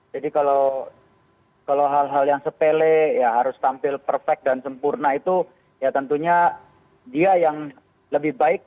jadi kalau hal hal yang sepele ya harus tampil perfect dan sempurna itu ya tentunya dia yang lebih baik